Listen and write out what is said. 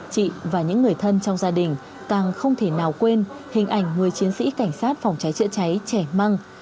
chị và những người thân trong gia đình càng không thể nào quên hình ảnh người chiến sĩ cảnh sát phòng cháy chữa cháy trẻ măng